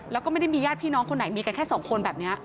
แล้วก็ไม่ได้มีญาติพี่น้องคนไหนมีกันแค่สองคนแบบนี้